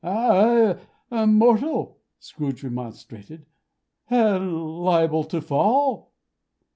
"I am a mortal," Scrooge remonstrated, "and liable to fall."